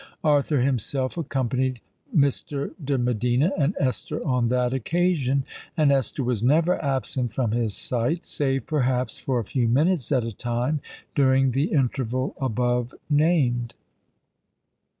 Arthur himself accompanied Mr. de Medina and Esther on that occasion; and Esther was never absent from his sight, save perhaps for a few minutes at a time, during the interval above named.